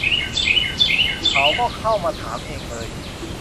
เขาก็เข้ามาถามเองเลย